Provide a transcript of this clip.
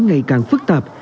ngày càng phức tạp